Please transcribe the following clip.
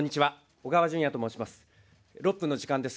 小川淳也と申します。